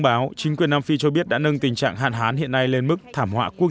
báo chính quyền nam phi cho biết đã nâng tình trạng hạn hán hiện nay lên mức thảm họa quốc